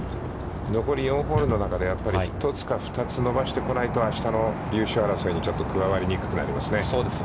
残り４ホールの中でやっぱり、１つか２つ、伸ばしてこないと、あしたの優勝争いにちょっと加わりにくくなりますよね。